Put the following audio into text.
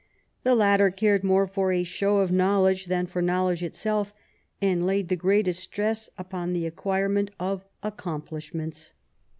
The latter cared more for a show of knowledge than for knowledge itself, and laid the greatest stress upon the acquirement of accomplish ments.